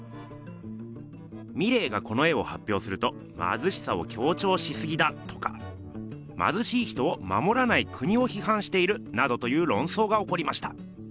ミレーがこの絵をはっぴょうすると「まずしさをきょうちょうしすぎだ」とか「まずしい人をまもらない国をひはんしている」などというろんそうがおこりました。